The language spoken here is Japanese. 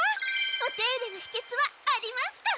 お手入れのひけつはありますか？